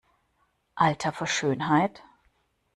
Alter vor Schönheit!